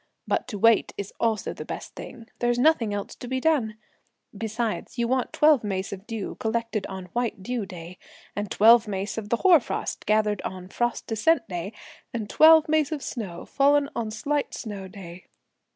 but to wait is also the best thing, there's nothing else to be done. Besides, you want twelve mace of dew, collected on 'White Dew' day, and twelve mace of the hoar frost, gathered on 'Frost Descent' day, and twelve mace of snow, fallen on 'Slight Snow' day!